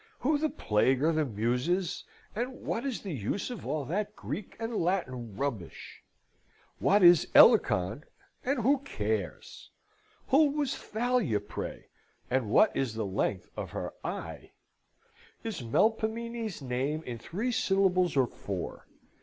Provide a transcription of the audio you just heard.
Who the plague are the Muses, and what is the use of all that Greek and Latin rubbish? What is Elicon, and who cares? Who was Thalia, pray, and what is the length of her i? Is Melpomene's name in three syllables or four?